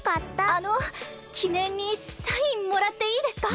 あのきねんにサインもらっていいですか？